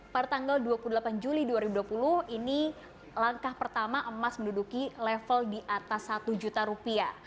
pertanggal dua puluh delapan juli dua ribu dua puluh ini langkah pertama emas menduduki level di atas satu juta rupiah